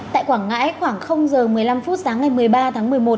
tại quảng ngãi khoảng giờ một mươi năm phút sáng ngày một mươi ba tháng một mươi một